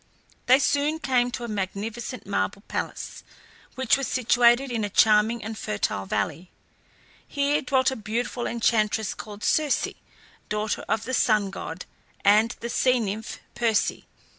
They soon came to a magnificent marble palace, which was situated in a charming and fertile valley. Here dwelt a beautiful enchantress called Circe, daughter of the sun god and the sea nymph Perse.